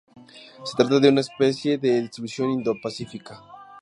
Se trata de una especie de distribución Indo-Pacífica.